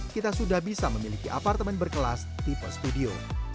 kita sudah bisa memiliki apartemen berkelas tipe studio